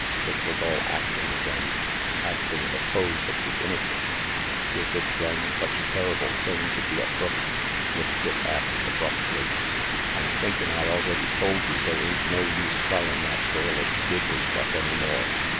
It was all acting again, acting the pose of the innocent. "Is it, then, such a terrible thing to be a crook?" Miss Dick asked abruptly. "I'm thinkin' I already told you they ain't no use trying that girlish, giggly stuff any more.